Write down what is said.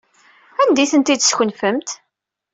Anda ay tent-id-teskenfemt?